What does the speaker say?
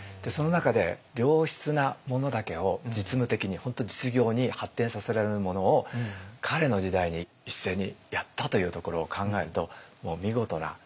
その中で良質なものだけを実務的に本当実業に発展させられるものを彼の時代に一斉にやったというところを考えるともう見事な。